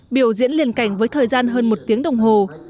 biểu diễn liên cảnh với thời gian hơn một tiếng đồng hồ